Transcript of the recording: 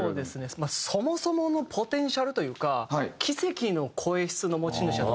まあそもそものポテンシャルというか奇跡の声質の持ち主だと。